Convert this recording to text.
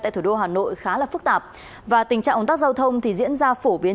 tại thủ đô hà nội khá là phức tạp và tình trạng ồn tắc giao thông thì diễn ra phổ biến